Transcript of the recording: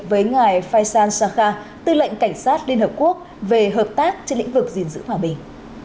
với ngài phai san sarkha tư lệnh cảnh sát liên hợp quốc về hợp tác trên lĩnh vực gìn giữ hòa bình